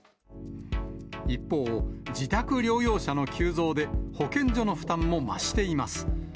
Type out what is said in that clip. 一方、自宅療養者の急増で、保健所の負担も増しています。